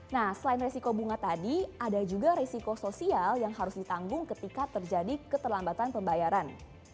nah selain resiko bunga tadi ada juga risiko sosial yang harus ditanggung ketika terjadi keterlambatan pembayaran